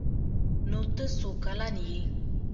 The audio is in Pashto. _نوته څو کلن يې؟